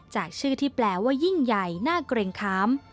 จากชื่อที่แปลว่ายิ่งใหญ่น่าเกร็งขาม